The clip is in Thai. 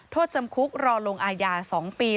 โทษจำคุกรอลงอาญา๒ปี